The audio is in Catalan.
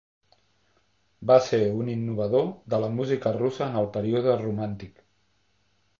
Va ser un innovador de la música russa en el període romàntic.